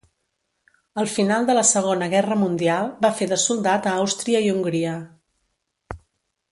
Al final de la Segona Guerra Mundial va fer de soldat a Àustria i Hongria.